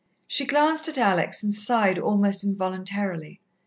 She glanced at Alex and sighed almost involuntarily.